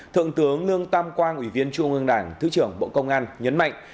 thượng tướng lương tam quang ủy viên trung ương đảng thứ trưởng bộ công an nhấn mạnh